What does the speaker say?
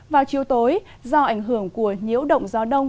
vào chiều tối do ảnh hưởng của nhiễu động gió đông